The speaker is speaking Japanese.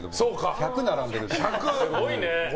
１００並んでいるから。